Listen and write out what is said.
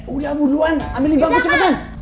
udah buruan ambilin bangku cepetin